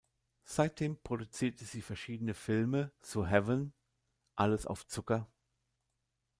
Seitdem produziert sie verschiedene Filme, so "Heaven", "Alles auf Zucker!